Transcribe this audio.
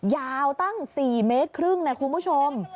ยาวตั้ง๔เมตรครึ่งนะคุณผู้ชม